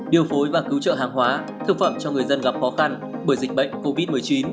điều phối và cứu trợ hàng hóa thực phẩm cho người dân gặp khó khăn bởi dịch bệnh covid một mươi chín